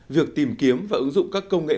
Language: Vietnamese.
việc tìm kiếm và ứng dụng các công nghệ